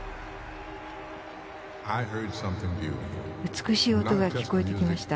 美しい音が聞こえてきました。